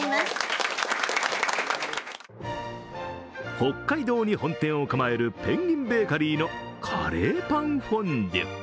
北海道に本店を構えるペンギンベーカリーのカレーパンフォンデュ。